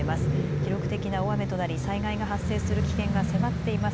記録的な大雨となり災害が発生する危険が迫っています。